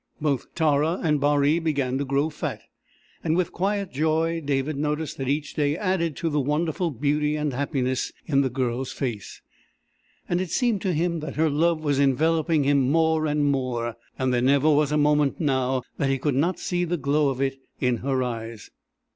Both Tara and Baree began to grow fat, and with quiet joy David noticed that each day added to the wonderful beauty and happiness in the Girl's face, and it seemed to him that her love was enveloping him more and more, and there never was a moment now that he could not see the glow of it in her eyes.